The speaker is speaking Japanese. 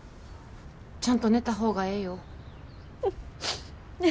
ちゃんと寝た方がええよ。